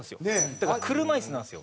だから車椅子なんですよ。